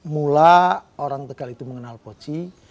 mula orang tegal itu mengenal poci